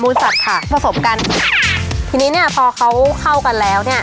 มูลสัตว์ผักผสมกันจริงเนี่ยพอเขาเข้ากันแล้วเนี่ย